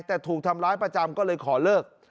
แต่ถูกทำร้ายประจำก็เลยขอเลิก